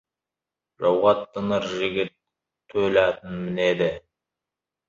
Жауға аттанар жігіт төл атын мінеді.